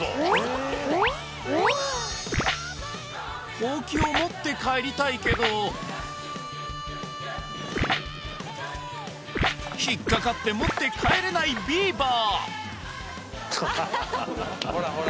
ほうきを持って帰りたいけど引っかかって持って帰れないビーバーほら